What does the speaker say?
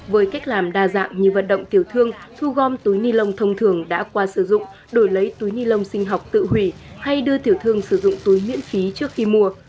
với cách làm đa dạng như vận động tiểu thương thu gom túi ni lông thông thường đã qua sử dụng đổi lấy túi ni lông sinh học tự hủy hay đưa tiểu thương sử dụng túi miễn phí trước khi mua